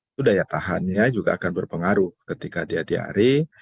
itu daya tahannya juga akan berpengaruh ketika dia diare